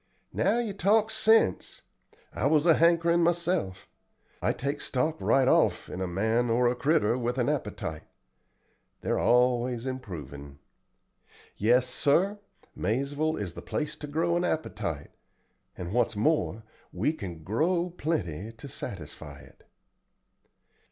"Now you talk sense. I was a hankerin' myself. I take stock right off in a man or a critter with an appetite. They're always improvin'. Yes, sir; Maizeville is the place to grow an appetite, and what's more we can grow plenty to satisfy it."